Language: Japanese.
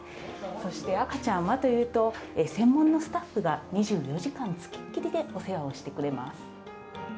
そして、赤ちゃんはというと、専門のスタッフが２４時間付きっきりでお世話をしてくれます。